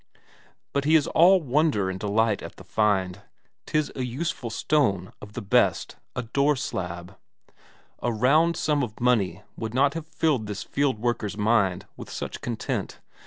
But he is all wonder and delight at the find; 'tis a useful stone of the best, a door slab. A round sum of money would not have filled this fieldworker's mind with such content.